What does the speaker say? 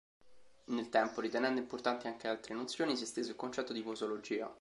Nel tempo, ritenendo importanti anche altre nozioni, si è esteso il concetto di posologia.